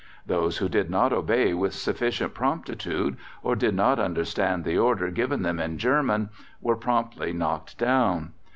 Those who did not obey with sufficient promptitude, or did not understand the order given them in German, were promptly knocked down.